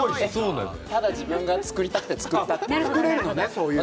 ただ自分が作りたくて作ったものです。